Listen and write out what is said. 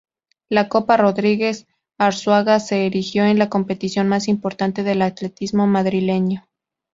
La Copa Rodríguez Arzuaga se erigió en la competición más importante del atletismo madrileño.